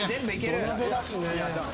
土鍋だしね。